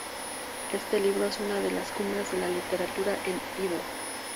Este libro es una de las cumbres de la literatura en ido.